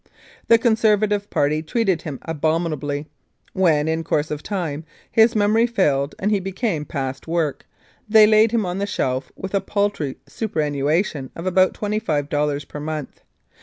The Conservative party treated him abominably. When, in course of time, his memory failed and he became past work, they laid him on the shelf with a paltry superannuation of about twenty five dollars per month.